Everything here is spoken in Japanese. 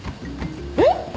えっ！？